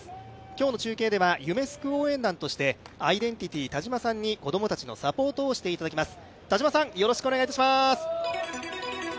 今日の中継では夢すく応援団として、アイデンティティ・田島さんに子供たちのサポートをしていただきます。